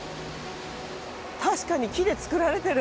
確かに木で造られてる。